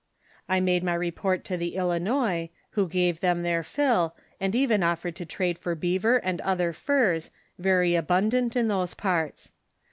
I made my re port to the Ilinois, who gave them their fill, and even offered to trade for beaver and other furs, very abundant in those parts.